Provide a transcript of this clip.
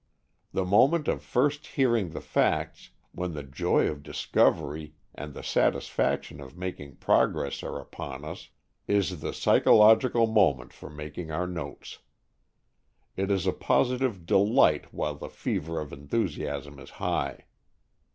The moment of first hearing the facts, when the joy of discovery and the satisfaction of making progress are upon us, is the psychological moment for making our notes. It is a positive delight while the fever of enthusiasm is high.